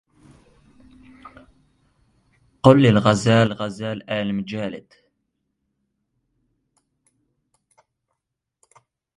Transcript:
قل للغزال غزال آل مجالد